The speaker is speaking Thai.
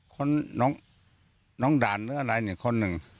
น้องด่านหรืออะไรเนี่ยคนหนึ่ง